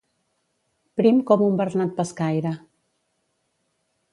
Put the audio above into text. Prim com un bernat pescaire.